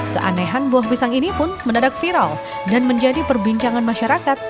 keanehan buah pisang ini pun mendadak viral dan menjadi perbincangan masyarakat